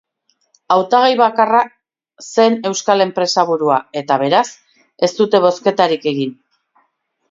Hautagai bakarra zen euskal enpresaburua eta, beraz, ez dute bozketarik egin.